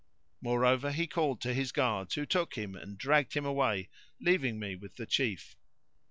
Moreover he called to his guards who took him and dragged him away, leaving me with the Chief.